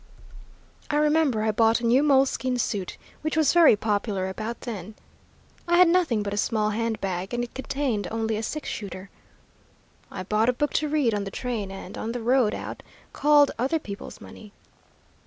"I remember I bought a new mole skin suit, which was very popular about then. I had nothing but a small hand bag, and it contained only a six shooter. I bought a book to read on the train and on the road out, called 'Other People's Money.'